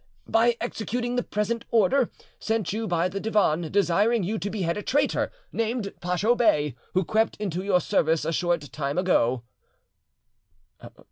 "By executing the present order, sent you by the Divan, desiring you to behead a traitor, named Pacho Bey, who crept into your service a short time ago.